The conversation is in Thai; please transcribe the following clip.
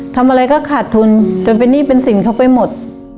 ทำอะไรก็ขาดทุนจนเป็นหนี้เป็นสินเขาไปหมด